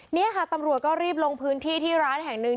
นี่ค่ะตำรวจก็รีบลงพื้นที่ที่ร้านแห่งหนึ่ง